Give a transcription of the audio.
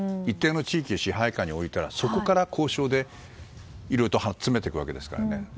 一定の地域を支配下に置いたらそこから交渉で、いろいろと詰めていくわけですからね。